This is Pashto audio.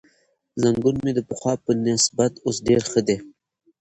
زنګون مې د پخوا په نسبت اوس ډېر ښه دی.